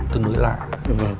tương đối lạ